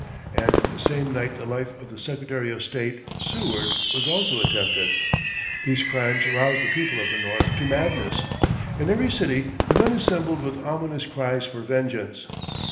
And the same night the life of the Secretary of State, Seward, was also attempted. These crimes roused the people of the North to madness. In every city the men assembled with ominous cries for vengeance.